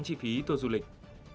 chi phí tour du lịch